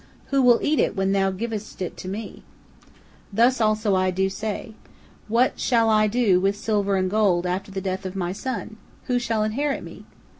Who will eat it when thou givest it to me?' Thus also do I say: What shall I do with silver and gold after the death of my son? Who shall inherit me?"